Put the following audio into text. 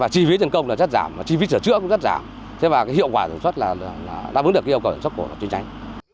chi phí tiền công là rất giảm chi phí sửa chữa cũng rất giảm thế và hiệu quả sản xuất là đáp ứng được yêu cầu sản xuất của truyền tránh